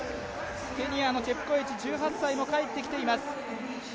ケニアのチェプコエチ１８歳も帰ってきています。